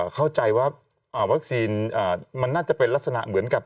เข้าใจว่าวัคซีนมันน่าจะเป็นลักษณะเหมือนกับ